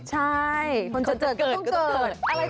ใช่คนจะเกิดก็ต้องเกิด